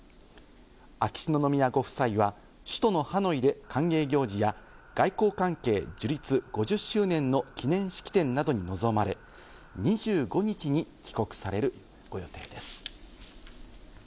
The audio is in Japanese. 秋篠宮ご夫妻は首都のハノイで歓迎行事や外交関係樹立５０周年の記念式典などに臨まれ、２５日に帰国されるご予定です。